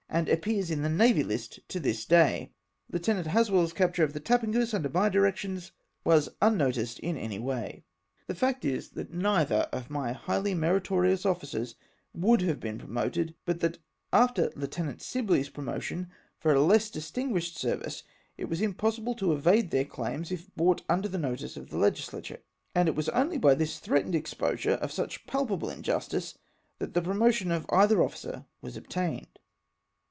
and appears in the Navy List to tins day ; Lieut. Has well's capture of tlie Tapageuse under my directions was unnoticed in any Avay. The fact is, that neither of my highly meritorious officers would have been promoted, but that, after Lieutenant Sibley's promotion for a less distinguished service, it was impossible to evade their claims if brought under the notice of the legislature ; and it was only by this threatened exposure of such palpable injus tice that the promotion of either officer was obtained.